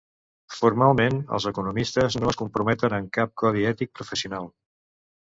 Formalment, els economistes no es comprometen amb cap codi ètic professional.